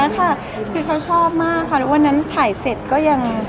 คือเขาชอบมากค่ะแล้ววันนั้นถ่ายเสร็จก็ยัง